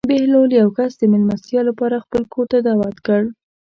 بهلول یو کس د مېلمستیا لپاره خپل کور ته دعوت کړ.